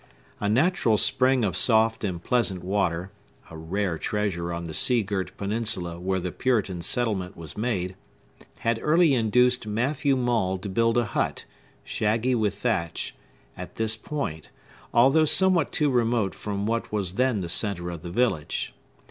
A natural spring of soft and pleasant water—a rare treasure on the sea girt peninsula where the Puritan settlement was made—had early induced Matthew Maule to build a hut, shaggy with thatch, at this point, although somewhat too remote from what was then the centre of the village.